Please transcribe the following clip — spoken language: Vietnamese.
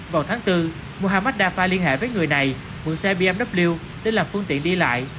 vào tháng bốn muhammad dafa liên hệ với người này mua xe bmw để làm phương tiện đi lại